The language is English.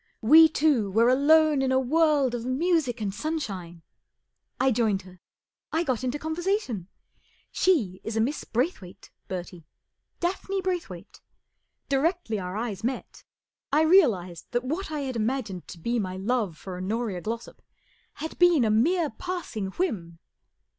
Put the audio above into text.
We two were alone in a world of music and sunshine. I joined her. I got into conversation. She is a Miss Braythwayt, Bertie — Daphne Braythwayt. Directly our eyes met, I real¬ ized that what I had imagined to be my love for Honoria Glossop had bee n a mere pass¬ ing whim.